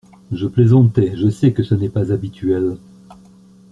Je plaisantais, je sais que ce n’est pas habituel.